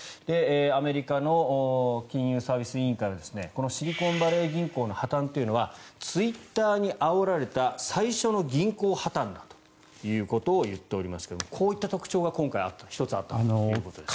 アメリカの金融サービス委員会はこのシリコンバレー銀行の破たんはツイッターにあおられた最初の銀行破たんだということを言っておりますがこういった特徴が今回１つあったということですね。